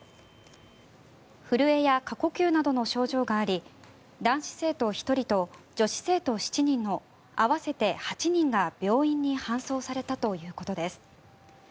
震えや過呼吸などの症状があり男子生徒１人と女子生徒７人の合わせて８人が病院に搬送されたということです。